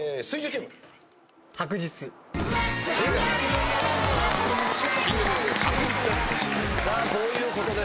『白日』さあこういうことです。